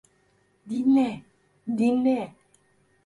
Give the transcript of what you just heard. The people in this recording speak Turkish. Dinle, dinle.